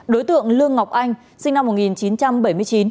đối tượng lương ngọc anh sinh năm một nghìn chín trăm bảy mươi chín